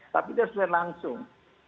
tapi dia harus selesai langsung